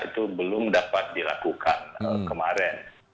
itu belum dapat dilakukan kemarin